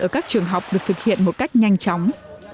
ở các trường học được thực hiện một cách nhanh chóng